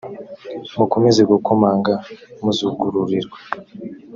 mukomeze gukomanga muzugururirwa.